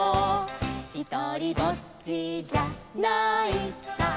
「ひとりぼっちじゃないさ」